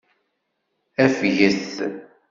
Afget.